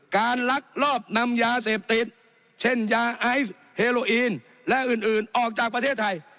ลักลอบนำยาเสพติดเช่นยาไอซ์เฮโลอีนและอื่นออกจากประเทศไทย